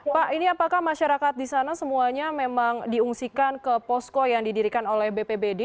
pak ini apakah masyarakat di sana semuanya memang diungsikan ke posko yang didirikan oleh bpbd